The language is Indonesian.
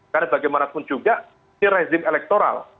karena bagaimanapun juga si rezim elektoral